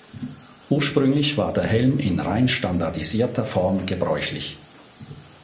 Ursprünglich war der Helm in rein standardisierter Form gebräuchlich.